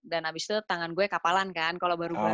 dan abis itu tangan gue kapalan kan kalau baru baru tuh